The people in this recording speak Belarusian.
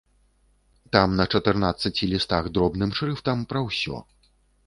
Там на чатырнаццаці лістах дробным шрыфтам пра ўсё.